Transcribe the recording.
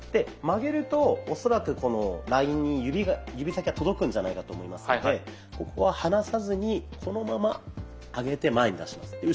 曲げると恐らくこのラインに指先が届くんじゃないかと思いますのでここは離さずにこのまま上げて前に出します。